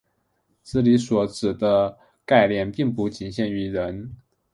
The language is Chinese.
这里所指的概念并不仅限于人。